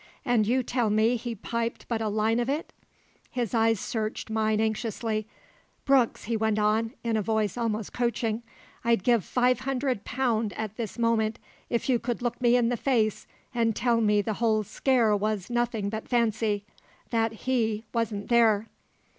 An' you tell me he piped but a line of it?" His eyes searched mine anxiously. "Brooks," he went on, in a voice almost coaxing, "I'd give five hundred pound at this moment if you could look me in the face an' tell me the whole scare was nothing but fancy that he wasn't there!"